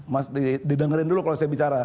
mas didengerin dulu kalau saya bicara